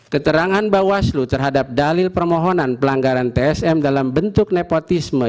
keterangan bawaslu terhadap dalil permohonan pelanggaran tsm dalam bentuk nepotisme